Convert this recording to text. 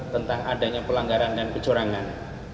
tentang adanya pelanggaran dan kecurangan